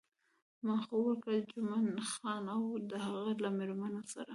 ما ځواب ورکړ، جمعه خان او د هغه له میرمنې سره.